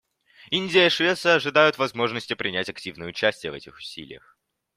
Индия и Швеция ожидают возможности принять активное участие в этих усилиях.